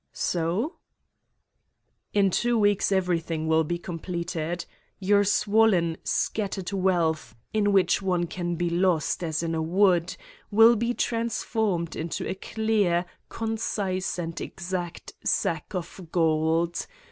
"So?" "In two weeks everything will be completed. Your swollen, scattered wealth, in which one can be lost as in a wood, will be transformed into a clear, concise and exact sack of gold